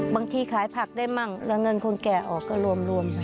บางทีขายผักได้มั่งแล้วเงินคนแก่ออกก็รวม